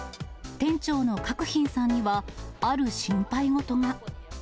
店長の郭斌さんには、ある心配事が。